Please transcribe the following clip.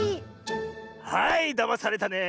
はいだまされたね。